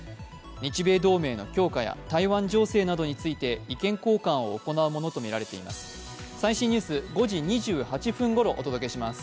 日米同盟の強化や台湾情勢などについて意見交換を行うものとみられています。